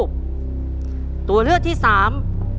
คุณยายแจ้วเลือกตอบจังหวัดนครราชสีมานะครับ